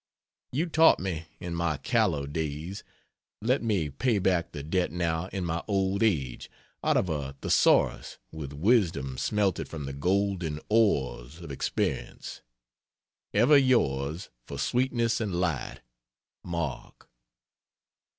You taught me in my callow days, let me pay back the debt now in my old age out of a thesaurus with wisdom smelted from the golden ores of experience. Ever yours for sweetness and light MARK.